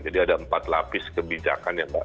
jadi ada empat lapis kebijakan ya mbak